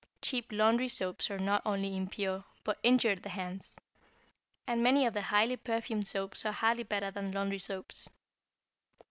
Cheap laundry soaps are not only impure, but injure the hands; and many of the highly perfumed soaps are hardly better than laundry soaps.